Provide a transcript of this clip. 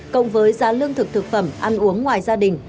cộng với giá lương thực thực phẩm ăn uống ngoài gia đình